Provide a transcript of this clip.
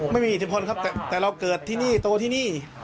ไม่มีอิทธิพลครับแต่เราเกิดที่นี่โตที่นี่